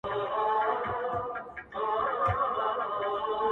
دا هم له تا جار دی، اې وطنه زوروره.